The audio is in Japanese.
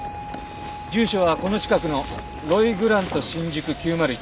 住所はこの近くのロイグラント新宿９０１。